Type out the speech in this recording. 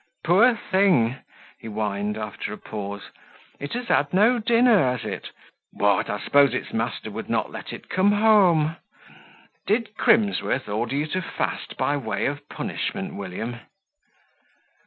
"Poor thing!" he whined, after a pause. "It has had no dinner, has it? What! I suppose its master would not let it come home. Did Crimsworth order you to fast by way of punishment, William!"